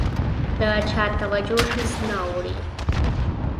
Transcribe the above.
د چا توجه هېڅ نه اوړي.